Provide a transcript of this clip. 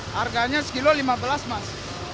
harganya sekilo lima belas mas